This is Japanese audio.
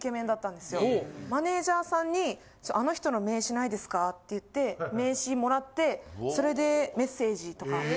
マネージャーさんに「あの人の名刺ないですか？」って言って名刺もらってそれでメッセージとか。